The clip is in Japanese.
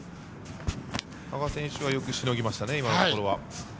羽賀選手はよくしのぎましたね、今のところ。